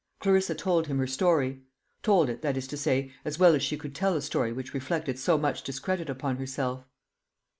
Clarissa told him her story told it, that is to say, as well as she could tell a story which reflected so much discredit upon herself.